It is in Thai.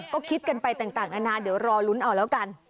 ก็คิดกันไปต่างนานาเดี๋ยวรอลุ้นเอาแล้วกัน